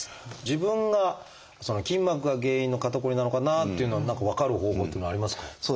自分が筋膜が原因の肩こりなのかなっていうのは何か分かる方法っていうのはありますか？